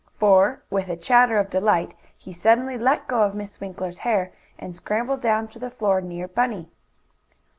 For, with a chatter of delight, he suddenly let go of Miss Winkler's hair and scrambled down to the floor near Bunny.